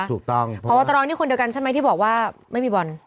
ถูกต้องเพราะว่าพบตรนี่คนเดียวกันใช่ไหมที่บอกว่าไม่มีบอล